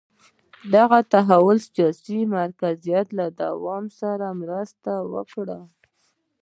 دغه تحول د سیاسي مرکزیت له دوام سره مرسته وکړه.